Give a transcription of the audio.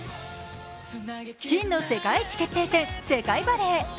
真の世界一決定戦・世界バレー。